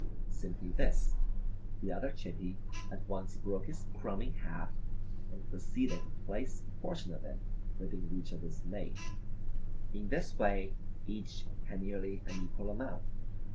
Simply this, the other Chippy at once broke his crumb in half and proceeded to place a portion of it within reach of his mate. In this way each had nearly an equal amount.